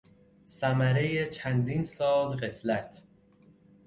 ثمرهی چندین سال غفلت